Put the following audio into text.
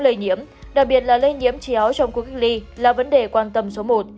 lây nhiễm đặc biệt là lây nhiễm trí áo trong quốc lý là vấn đề quan tâm số một